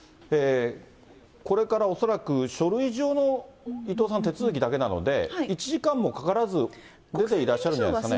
これから恐らく、書類上の伊藤さん、手続きだけなので、１時間もかからず出ていらっしゃるんじゃないですかね。